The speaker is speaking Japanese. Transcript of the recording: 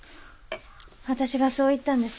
私がそう言ったんです。